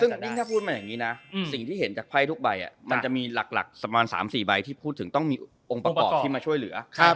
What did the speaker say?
ซึ่งถ้าพูดมาอย่างนี้นะสิ่งที่เห็นจากไพ่ทุกใบมันจะมีหลักประมาณ๓๔ใบที่พูดถึงต้องมีองค์ประกอบที่มาช่วยเหลือ